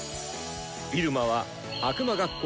入間は悪魔学校